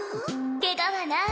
ケガはない？